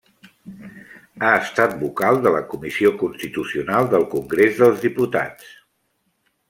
Ha estat vocal de la Comissió Constitucional del Congrés dels Diputats.